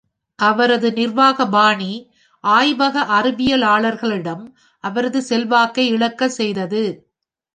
அவரது நிர்வாக பாணி ஆய்வக அறிவியலாளர்களிடம் அவரது செல்வாக்கை இழக்கச்செய்தது.